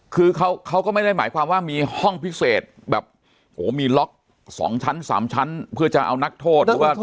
คือเขาก็ไม่ได้หมายความว่ามีห้องพิเศษแบบโอ้โหมีล็อกสองชั้นสามชั้นเพื่อจะเอานักโทษหรือว่า